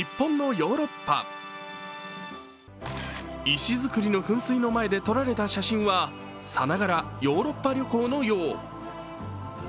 石造りの噴水の前で撮られた写真はさながらヨーロッパ旅行のよう。